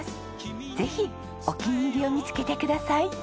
ぜひお気に入りを見つけてください。